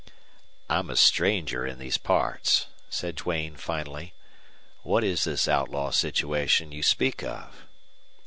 "I'm a stranger in these parts," said Duane, finally. "What is this outlaw situation you speak of?"